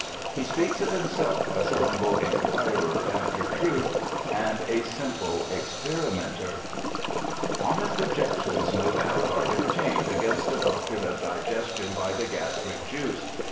He speaks of himself as a humble ' inquirer after truth and a simple experimenter '.' Honest objections, no doubt, are entertained against the doctrine of digestion by the gastric juice.